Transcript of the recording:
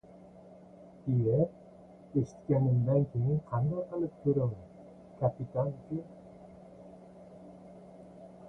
— Iya, eshitmagandan keyin qanday qilib ko‘raman, kapitan uka?